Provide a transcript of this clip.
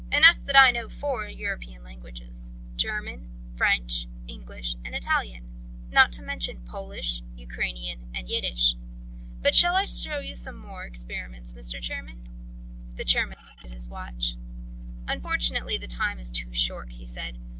Enough that I know four European languages, German, French, English, and Italian, not to mention Polish, Ukrainian and Yiddish. But shall I show you some more experiments, Mr. Chairman?" The chairman looked at his watch. "Unfortunately the time is too short," he said.